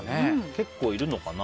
結構、いるのかな？